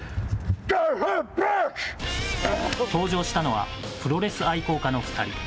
登場したのは、プロレス愛好家の２人。